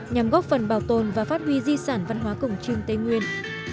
nhằm góp phần bảo tồn và phát huy di sản văn hóa cồng chiêng tây nguyên